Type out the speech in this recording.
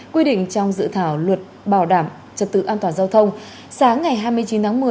quy định trong dự thảo luật bảo đảm trật tự an toàn giao thông sáng ngày hai mươi chín tháng một mươi